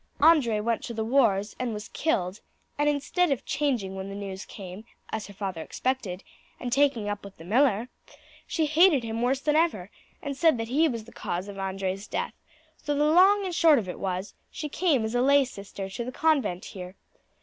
Andre went to the wars and was killed; and instead of changing when the news came, as her father expected, and taking up with the miller, she hated him worse than ever, and said that he was the cause of Andre's death; so the long and short of it was, she came as a lay sister to the convent here.